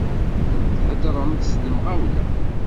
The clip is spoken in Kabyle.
Theddṛemt s lemɣawla.